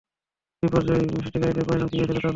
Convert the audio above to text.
বিপর্যয় সৃষ্টিকারীদের পরিণাম কি হয়েছিল তা লক্ষ্য কর।